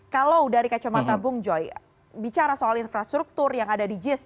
kalau dari kacamata bung joy bicara soal infrastruktur yang ada di jis